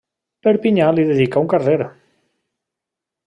Perpinyà li dedicà un carrer.